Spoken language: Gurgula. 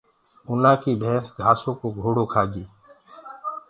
اُنآ ڪي ڀينس گھآسو ڪو گھوڙو کآگي۔